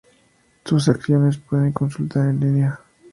Sus acciones se pueden consultar en línea.